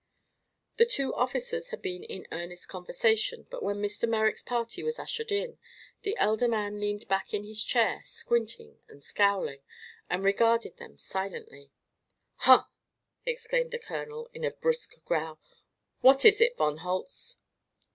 The two officers had been in earnest conversation, but when Mr. Merrick's party was ushered in, the elder man leaned back in his chair, squinting and scowling, and regarded them silently. "Huh!" exclaimed the colonel, in a brusque growl. "What is it, von Holtz?"